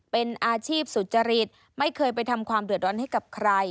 เป็นอาชีพสุจริตไม่เคยไปทำความเดือดร้อนให้กับใคร